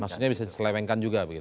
maksudnya bisa diselewengkan juga